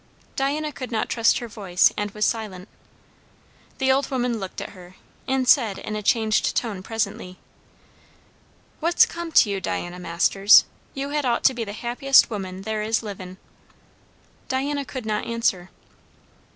Diana could not trust her voice and was silent. The old woman looked at her, and said in a changed tone presently, "What's come to you, Diana Masters? You had ought to be the happiest woman there is livin'." Diana could not answer.